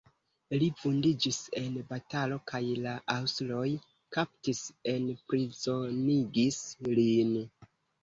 Li vundiĝis en batalo kaj la aŭstroj kaptis, enprizonigis lin.